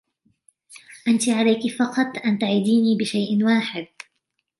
أنتِ عليكِ فقط أن تعِديني بشيء واحد.